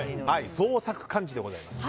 創作漢字でございます。